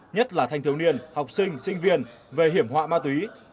nhất là thanh thiếu niên học sinh sinh viên về hiểm họa ma túy